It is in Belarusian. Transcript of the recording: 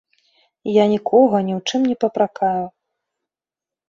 Я нікога ні ў чым не папракаю.